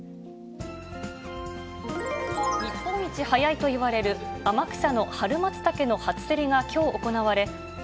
日本一早いといわれる、天草の春マツタケの初競りがきょう行われ。